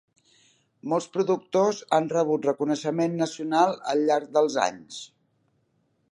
Molts productors han rebut reconeixement nacional al llarg dels anys.